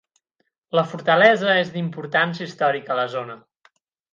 La fortalesa és d'importància històrica a la zona.